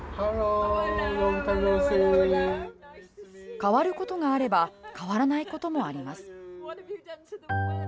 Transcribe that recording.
変わることがあれば変わらないこともあります。